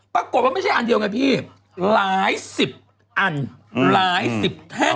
ปรากฏว่าไม่ใช่อันเดียวไงพี่หลายสิบอันหลายสิบแท่ง